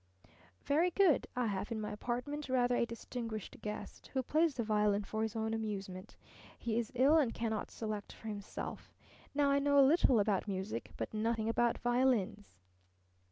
"Very good. I have in my apartment rather a distinguished guest who plays the violin for his own amusement. He is ill and cannot select for himself. Now I know a little about music but nothing about violins."